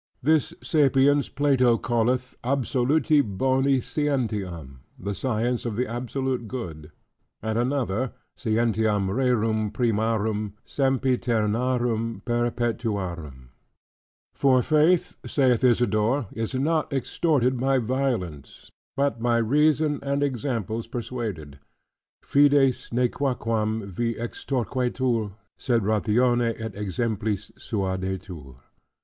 This sapience Plato calleth "absoluti boni scientiam," "the science of the absolute good": and another "scientiam rerum primarum, sempiternarum, perpetuarum" For "faith (saith Isidore) is not extorted by violence; but by reason and examples persuaded": "fides nequaquam vi extorquetur, sed ratione et exemplis suadetur."